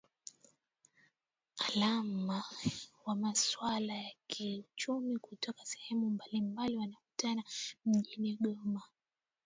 aalam wa maswala ya kiuchumi kutoka sehemu mbali mbali wanakutana mjini goma